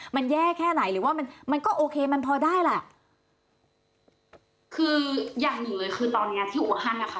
มันแย่แค่ไหนหรือว่ามันมันก็โอเคมันพอได้แหละคืออย่างหนึ่งเลยคือตอนเนี้ยที่อูฮันนะคะ